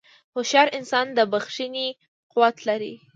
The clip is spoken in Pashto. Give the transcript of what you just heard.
هوښیار انسان د بښنې قوت لري.